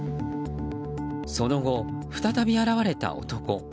その後、再び現れた男。